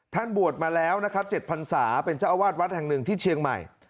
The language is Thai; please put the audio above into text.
บวชมาแล้วนะครับ๗พันศาเป็นเจ้าอาวาสวัดแห่งหนึ่งที่เชียงใหม่